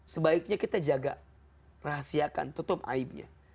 sebaiknya kita jaga rahasiakan tutup aibnya